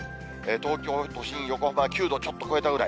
東京都心、横浜９度ちょっと超えたぐらい。